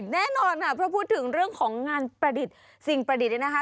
แน่นอนค่ะเพราะพูดถึงเรื่องของงานประดิษฐ์สิ่งประดิษฐ์เนี่ยนะคะ